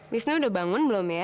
wisnu udah bangun belum ya